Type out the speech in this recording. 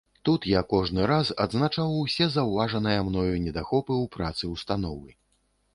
Тут я кожны раз адзначаў усе заўважаныя мною недахопы ў працы ўстановы.